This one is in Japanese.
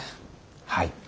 はい。